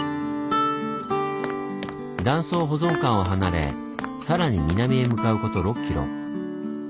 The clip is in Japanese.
断層保存館を離れさらに南へ向かうこと６キロ。